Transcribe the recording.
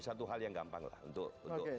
satu hal yang gampang lah untuk